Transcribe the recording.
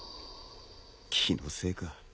気のせいか。